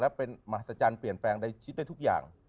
และเป็นมหัศจรรย์เปลี่ยนแปลงในชิดได้ทุกอย่าง